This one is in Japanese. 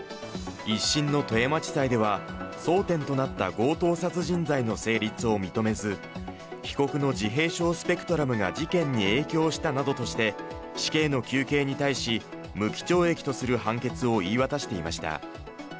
１審の富山地裁では、争点となった強盗殺人罪の成立を認めず被告の自閉症スペクトラムが事件に影響したなどとして死刑の求刑に対し、無期懲役とする判決を言い渡していました。